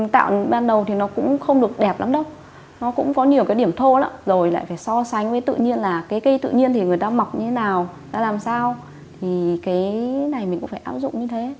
tạo ban đầu thì nó cũng không được đẹp lắm đâu nó cũng có nhiều cái điểm thô lắm rồi lại phải so sánh với tự nhiên là cái cây tự nhiên thì người ta mọc như thế nào người ta làm sao thì cái này mình cũng phải áp dụng như thế